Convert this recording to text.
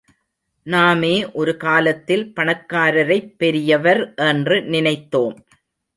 நாமே ஒருகாலத்தில் பணக்காரரைப் பெரியவர் என்று நினைத்தோம்.